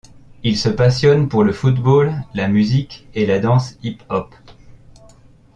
Il se passionne pour le football, la musique et la danse hip-hop.